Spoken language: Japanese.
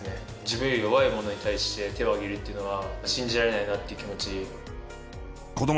自分より弱い者に対して手を上げるっていうのは信じられないなっていう気持ち。